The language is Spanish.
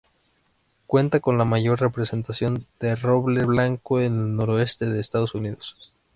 Cuenta con la mayor representación de roble blanco en el noreste de Estados Unidos.